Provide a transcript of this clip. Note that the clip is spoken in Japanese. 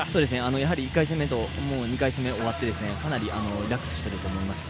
やはり１回戦目と２回戦目が終わってかなりリラックスしていると思います。